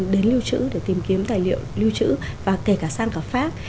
đến lưu trữ để tìm kiếm tài liệu lưu trữ và kể cả sang cả pháp